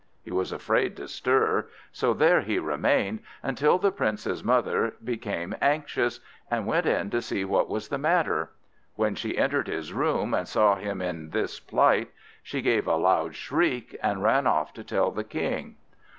He was afraid to stir, so there he remained, until the Prince's mother became anxious, and went to see what was the matter. When she entered his room, and saw him in this plight, she gave a loud shriek, and ran off to tell the King.